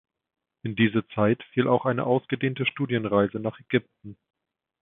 In diese Zeit fiel auch eine ausgedehnte Studienreise nach Ägypten.